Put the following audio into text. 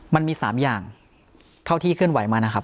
มันมี๓อย่างเท่าที่เคลื่อนไหวมานะครับ